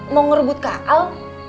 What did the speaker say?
mau ngerebut kak al